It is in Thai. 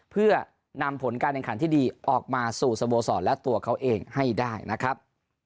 เพื่อนำผลการแข่งขันที่ดีออกมาสู่สโมสรและตัวเขาเองให้ได้นะครับ